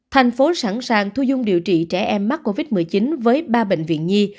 thành phố sẵn sàng thu dung điều trị trẻ em mắc covid một mươi chín với ba bệnh viện nhi